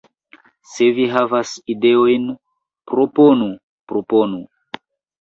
Se vi havas ideojn, proponu, proponu.